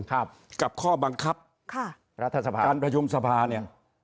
ครับกับข้อบังคับครับรัฐสภาการพจมสภาเนี้ย